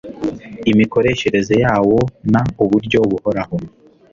imikoreshereze yawo n uburyo buhoraho